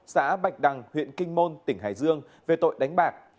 xã bạch đằng huyện kinh môn tỉnh hải dương về tội đánh bạc